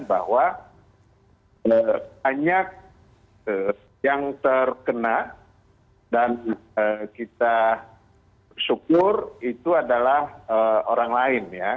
bahwa banyak yang terkena dan kita syukur itu adalah orang lain ya